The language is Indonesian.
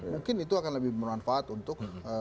mungkin itu akan lebih bermanfaat untuk